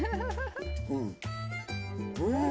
うん。